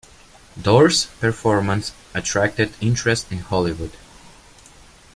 Dors' performance attracted interest in Hollywood.